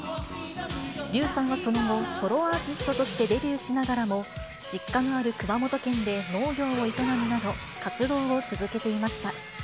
笠さんはその後、ソロアーティストとしてデビューしながらも、実家がある熊本県で農業を営むなど、活動を続けていました。